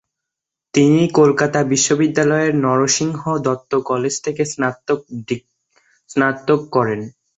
তিনি কলকাতা বিশ্ববিদ্যালয়ের নরসিংহ দত্ত কলেজ থেকে স্নাতক করেন।